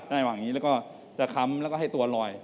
ในหวังนี้จะคำแล้วก็ให้ตัวลอย